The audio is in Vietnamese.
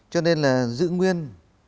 cho nên là giữ nguyên